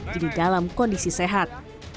jadi dalam kondisi sehat